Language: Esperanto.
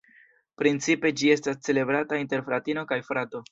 Principe ĝi estas celebrata inter fratino kaj frato.